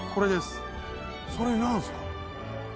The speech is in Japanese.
それ何すか？